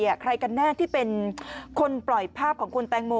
ใครกันแน่ที่เป็นคนปล่อยภาพของคุณแตงโม